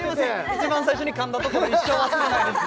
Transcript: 一番最初にかんだとこ一生忘れないです